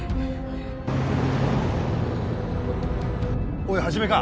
おい始か？